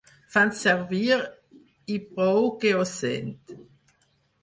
Fan servir i prou que ho sent.